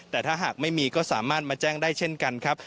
แต่ถ้าหากไม่มีก็สามารถมาแจ้งได้เช่นกันครับ